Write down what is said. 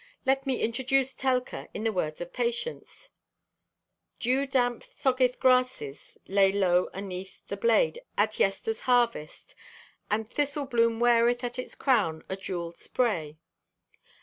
Let me introduce Telka in the words of Patience: "Dewdamp soggeth grasses laid low aneath the blade at yester's harvest, and thistle bloom weareth at its crown a jewelled spray.